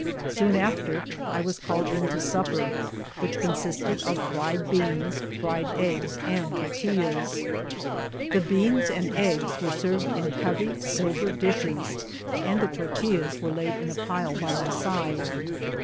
Soon after I was called in to supper, which consisted of fried beans, fried eggs, and tortillas. The beans and eggs were served on heavy silver dishes, and the tortil 1 WIDDINO BALL. 166 las were laid in a pile by my side.